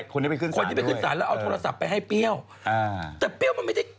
คนที่ไปขึ้นศาลด้วยเอาโทรศัพท์ไปให้เปรี้ยวแต่เปรี้ยวมันไม่ได้